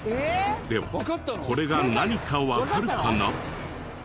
ではこれが何かわかるかな？